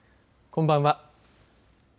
こんばんは。